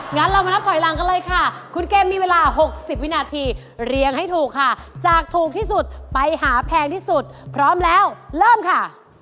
งั้นเรามานับถอยหลังกันเลยค่ะคุณเกมมีเวลา๖๐วินาทีเรียงให้ถูกค่ะจากถูกที่สุดไปหาแพงที่สุดพร้อมแล้วเริ่มค่ะ